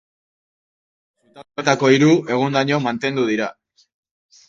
Zutabeetako hiru, egundaino mantendu dira.